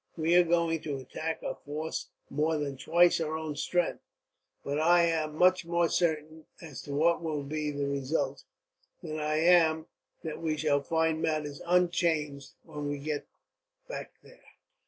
We are going to attack a force more than twice our own strength, but I am much more certain as to what will be the result, than I am that we shall find matters unchanged when we get back here."